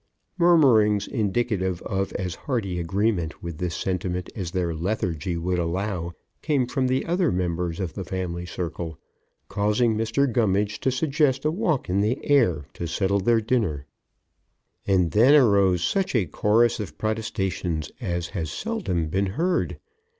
Murmurings indicative of as hearty agreement with this sentiment as their lethargy would allow came from the other members of the family circle, causing Mr. Gummidge to suggest a walk in the air to settle their dinner. And then arose such a chorus of protestations as has seldom been heard.